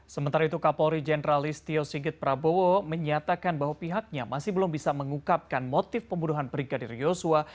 sementara itu kapolri jenderalist tio singgit prabowo menyatakan bahwa pihaknya masih belum bisa mengukapkan motif pembunuhan brigadir yosua